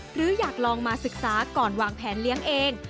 หรืออยากลองมาศึกษาก่อนวางแผนเลี้ยงเอง